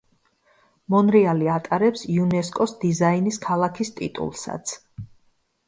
მონრეალი ატარებს იუნესკოს დიზაინის ქალაქის ტიტულსაც.